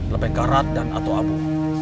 lebeng karat dan ato abu